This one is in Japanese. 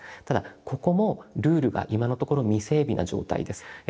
ただここもルールが今のところ未整備な状態です。